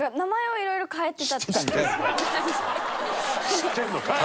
知ってんのかい！